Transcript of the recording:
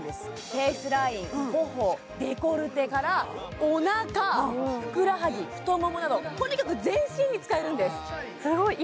フェイスライン頬デコルテからお腹ふくらはぎ太ももなどとにかく全身に使えるんです